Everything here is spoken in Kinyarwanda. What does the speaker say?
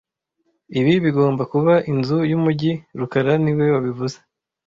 Ibi bigomba kuba inzu yumujyi rukara niwe wabivuze